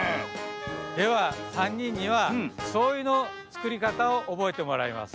ではさんにんにはしょうゆのつくりかたをおぼえてもらいます。